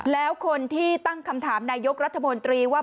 แล้วคนที่ตั้งคำถามนายกรัฐมนตรีว่า